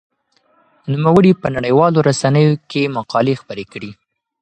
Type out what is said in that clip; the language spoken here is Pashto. نوموړي په نړيوالو رسنيو کې مقالې خپرې کړې.